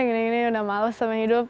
gini gini udah males sama hidup